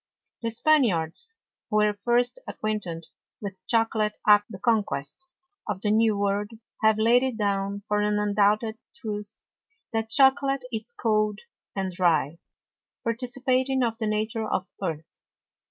The Spaniards, who were first acquainted with Chocolate after the Conquest of the new World, have laid it down for an undoubted Truth, that Chocolate is cold and dry, participating of the Nature of Earth.